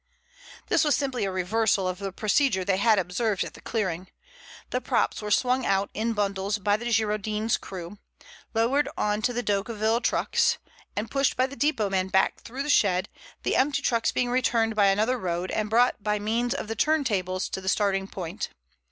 This was simply a reversal of the procedure they had observed at the clearing. The props were swung out in bundles by the Girondin's crew, lowered on to the Decauville trucks, and pushed by the depot men back through the shed, the empty trucks being returned by another road, and brought by means of the turn tables to the starting point.